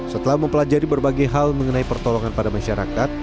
setelah mempelajari berbagai hal mengenai pertolongan pada masyarakat